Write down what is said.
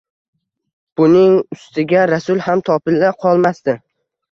Buning ustiga, Rasul ham topila qolmasdi